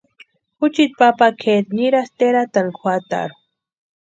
Juchiti papakʼeri nirasti eraatani juatarhu.